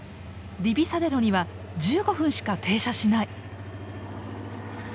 ディビサデロには１５分しか停車しない。